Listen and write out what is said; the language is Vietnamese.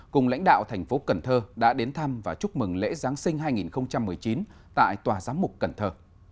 cùng lãnh đạo thành phố cần thơ đã đến thăm và chúc mừng lễ giáng sinh hai nghìn một mươi chín tại tòa giám mục cần thơ